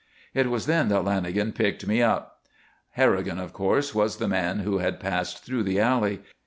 It was then that Lanagan picked me up. Harrigan, of course, was the man who had passed through the alley.